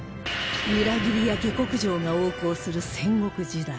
裏切りや下克上が横行する戦国時代